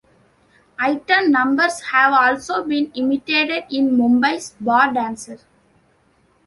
Item numbers have also been imitated in Mumbai's bar dancers.